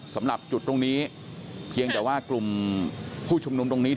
สำหรับจุดตรงนี้เพียงแต่ว่ากลุ่มผู้ชุมนุมตรงนี้